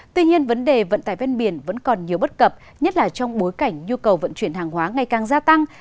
tuy nhiên vấn đề vận tải ven biển vẫn còn nhiều bất cập nhất là trong bối cảnh nhu cầu vận chuyển hàng hóa ngày càng gia tăng